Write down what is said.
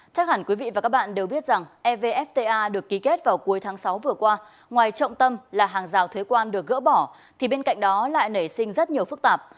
chắc hẳn quý vị và các bạn đều biết rằng evfta được ký kết vào cuối tháng sáu vừa qua ngoài trọng tâm là hàng rào thuế quan được gỡ bỏ thì bên cạnh đó lại nảy sinh rất nhiều phức tạp